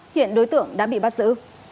hiện đối tượng đã bị bắt giữ